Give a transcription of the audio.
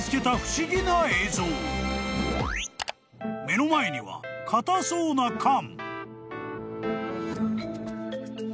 ［目の前にはかたそうな缶］